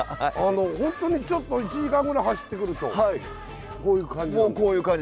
ホントにちょっと１時間ぐらい走ってくるとこういう感じ。